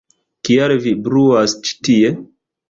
Kial vi bruas ĉi tie?!